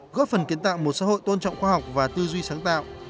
góp phần kiến tạo một xã hội tôn trọng khoa học và tư duy sáng tạo